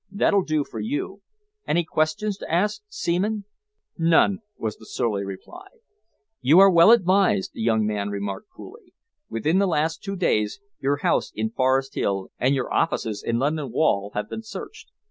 That'll do for you. Any questions to ask, Seaman?" "None," was the surly reply. "You are well advised," the young man remarked coolly. "Within the last two days, your house in Forest Hill and your offices in London Wall have been searched."